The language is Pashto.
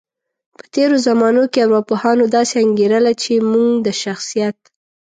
په تیرو زمانو کې ارواپوهانو داسې انګیرله، چی موږ د شخصیت